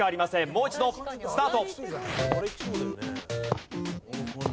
もう一度スタート！